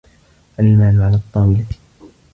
المال على الطاولة.